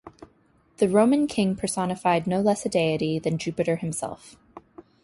The Roman king personified no less a deity than Jupiter himself.